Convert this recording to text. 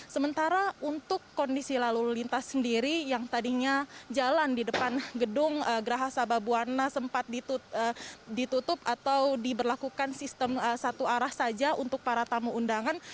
sementara untuk kondisi lalu lintas sendiri yang tadinya jalan di depan gedung geraha sababwana sempat ditutup atau diberlakukan sistem satu arah saja untuk para tamu undangan